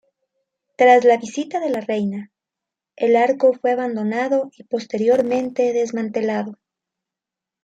Tras la visita de la reina, el arco fue abandonado y posteriormente desmantelado.